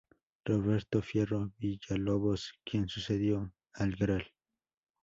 Roberto Fierro Villalobos quien sucedió al Gral.